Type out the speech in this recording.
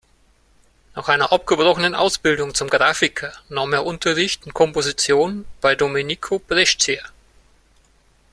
Nach einer abgebrochenen Ausbildung zum Grafiker nahm er Unterricht in Komposition bei Domenico Brescia.